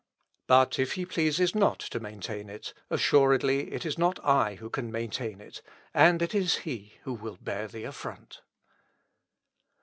But if he pleases not to maintain it, assuredly it is not I who can maintain it; and it is he who will bear the affront."